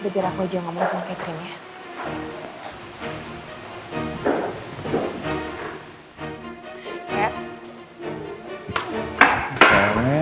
biar aku aja yang ngomong sama catherine ya